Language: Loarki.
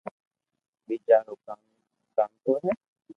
ٻيجا رو ڪانتو ھي